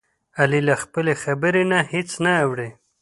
علي له خپلې خبرې نه هېڅ نه اوړوي.